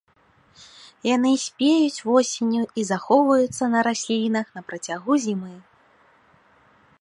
Яны спеюць восенню і захоўваюцца на раслінах на працягу зімы.